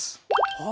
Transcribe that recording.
はあ。